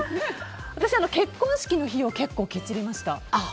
私、結婚式の費用結構ケチりました。